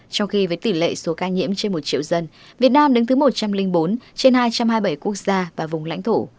trong khi với tỷ lệ số ca nhiễm trên một triệu dân việt nam đứng thứ một trăm linh bốn trên hai trăm hai mươi bảy quốc gia và vùng lãnh thổ